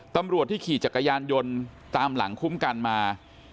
ตำรวจที่ขี่จักรยานยนต์ตามหลังคุ้มกันมา